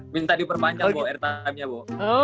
minta diperbancang airtime nya bo